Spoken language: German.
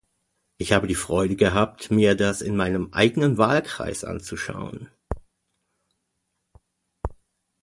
Ich habe die Freude gehabt, mir das in meinem eigenen Wahlkreis anzuschauen.